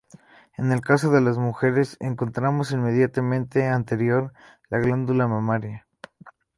En el caso de las mujeres, encontramos inmediatamente anterior la glándula mamaria.